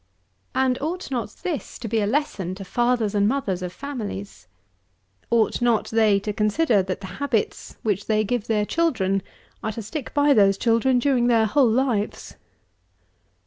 And ought not this to be a lesson to fathers and mothers of families? Ought not they to consider that the habits which they give their children are to stick by those children during their whole lives?